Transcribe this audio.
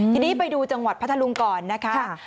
ทีนี้ไปดูจังหวัดพัทธรุงก่อนนะคะ